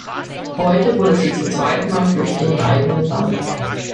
Heute wurde sie zum zweiten Mal Flüchtling im eigenen Land.